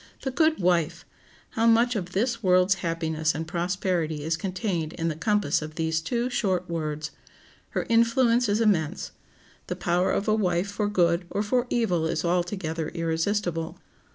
The good wife! How much of this world's happiness and prosperity is contained in the compass of these two short words! Her influence is immense. The power of a wife for good or for evil is altogether irresistible.